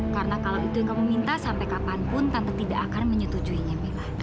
karena kalau itu yang kamu minta sampai kapanpun tante tidak akan menyetujuinya